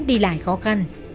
đi lại khó khăn